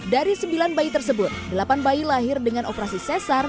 dari sembilan bayi tersebut delapan bayi lahir dengan operasi sesar